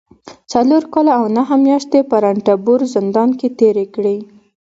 څلور کاله او نهه مياشتې په رنتنبور زندان کې تېرې کړي